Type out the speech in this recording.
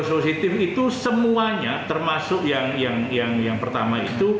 empat puluh lima positif itu semuanya termasuk yang pertama itu